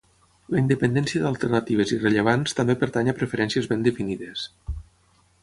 La independència d'alternatives irrellevants també pertany a preferències ben definides.